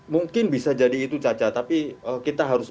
mungkin bisa jadi itu caca tapi kita harus